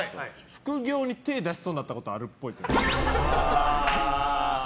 副業に手を出しそうになったことがあるっぽい。